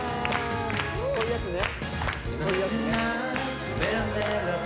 こういうやつね